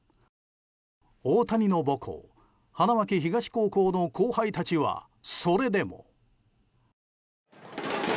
大谷の母校・花巻東高校の後輩たちはそれでも。